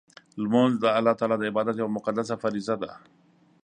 لمونځ د الله تعالی د عبادت یوه مقدسه فریضه ده.